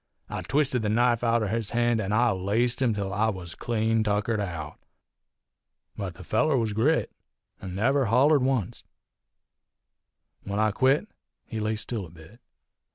I twisted his knife outer his hand, an' I laced him till I was clean tuckered out. But the feller was grit, an' never hollered oncet. When I quit he laid still a bit.